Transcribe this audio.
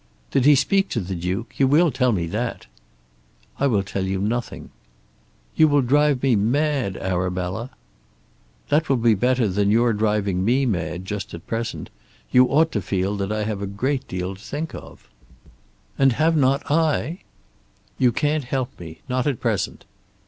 "Did he speak to the Duke? You will tell me that." "I will tell you nothing." "You will drive me mad, Arabella." "That will be better than your driving me mad just at present. You ought to feel that I have a great deal to think of." "And have not I?" "You can't help me; not at present."